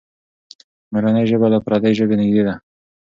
مورنۍ ژبه له پردۍ ژبې نږدې ده.